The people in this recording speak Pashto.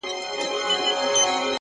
• کشپ وویل خبره مو منمه,